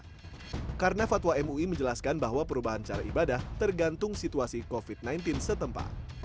pertama fatwa mui menjelaskan bahwa perubahan cara ibadah tergantung situasi covid sembilan belas setempat